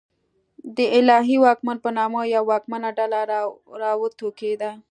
د الهي واکمن په نامه یوه واکمنه ډله راوټوکېده.